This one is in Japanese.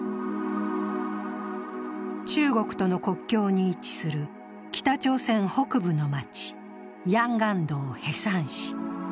中国との国境に位置する北朝鮮北部の町、ヤンガンド・ヘサン市。